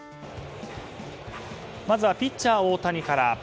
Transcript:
まずはピッチャー大谷から。